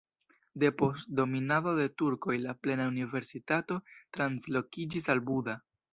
Depost dominado de turkoj la plena universitato translokiĝis al Buda.